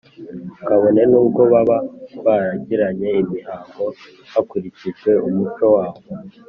kabone n’ubwo baba baragiranye imihango hakurikijwe umuco wabo,